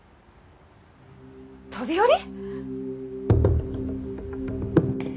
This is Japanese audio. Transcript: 飛び降り！？